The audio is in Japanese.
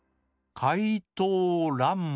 「かいとうらんま」。